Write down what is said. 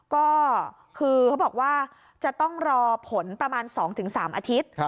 ก็คือเขาบอกว่าจะต้องรอผลประมาณ๒๓อาทิตย์